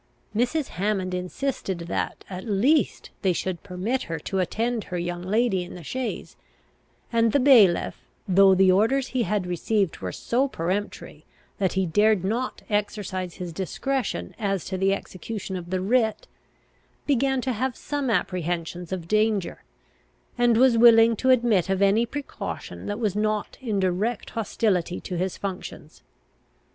Mrs. Hammond insisted that, at least, they should permit her to attend her young lady in the chaise; and the bailiff, though the orders he had received were so peremptory that he dared not exercise his discretion as to the execution of the writ, began to have some apprehensions of danger, and was willing to admit of any precaution that was not in direct hostility to his functions.